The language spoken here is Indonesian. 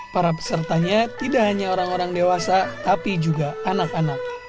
para pesertanya tidak hanya orang orang dewasa tapi juga anak anak